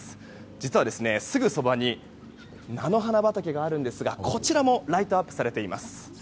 実は、すぐそばに菜の花畑があるんですがこちらもライトアップされています。